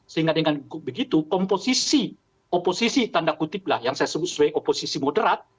sehingga dengan begitu komposisi oposisi tanda kutip lah yang saya sebut situasi moderat